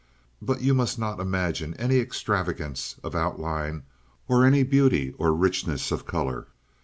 But you must not imagine any extravagance of outline or any beauty or richness of color.